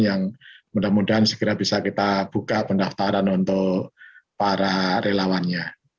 yang mudah mudahan segera bisa kita buka pendaftaran untuk para relawannya